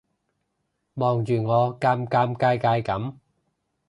望住我尷尷尬尬噉